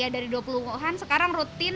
dari dua puluh wuhan sekarang rutin